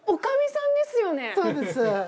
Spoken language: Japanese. そうです。